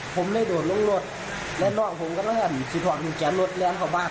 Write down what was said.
ผมเลยโดดลงรถและร่องผมก็ได้สิทธิภาพถึงแก่รถแล้วเข้ามา